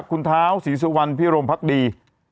คุณเท้าศรีสุวรรณพิรมพักดี